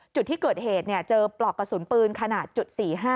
จุดที่เกิดเหตุเจอปลอกกระสุนปืนขนาดจุด๔๕